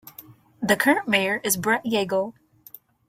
The current mayor is Brett Yagel.